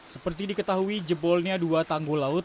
seperti diketahui jebolnya dua tanggul laut